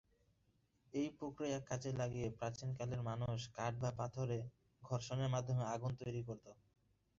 এই প্রক্রিয়া কাজে লাগিয়ে প্রাচীনকালের মানুষ কাঠ বা পাথরে ঘর্ষণের মাধ্যমে আগুন তৈরি করত।